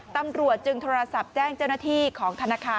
ตำรวจจึงโทรศัพท์แจ้งเจ้าหน้าที่ของธนาคาร